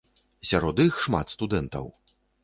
Сярод іх шмат студэнтаў.